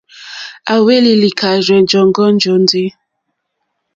À hwélì lìkàrzɛ́ jɔǃ́ɔ́ŋɡɔ́ jóndì.